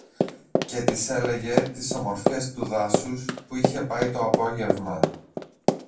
και της έλεγε τις ομορφιές του δάσους που είχε πάει το απόγευμα.